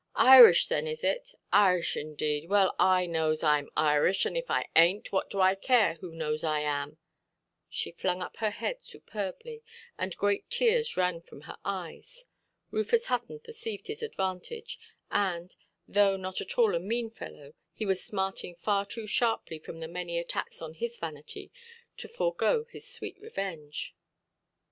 "Irish, thin, is it? Irish indade! Well, and I knows Iʼm Irish. And if I ainʼt, what do I care who knows I am"? She flung up her head superbly, and great tears ran from her eyes. Rufus Hutton perceived his advantage, and, though not at all a mean fellow, he was smarting far too sharply from the many attacks on his vanity, to forego his sweet revenge.